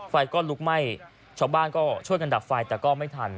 ไฟก็ลุกไหม้ชาวบ้านก็ช่วยกันดับไฟแต่ก็ไม่ทัน